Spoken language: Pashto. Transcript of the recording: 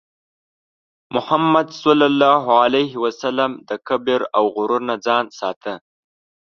محمد صلى الله عليه وسلم د کبر او غرور نه ځان ساته.